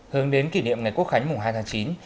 hướng đến kỷ niệm ngày quốc khánh mùng hai tháng chín